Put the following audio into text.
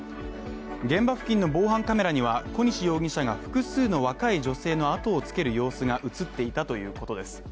現場付近の防犯カメラには小西容疑者が複数の若い女性の後をつける様子が映っていたということです。